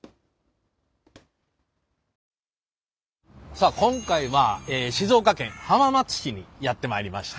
さあ今回は静岡県浜松市にやって参りました。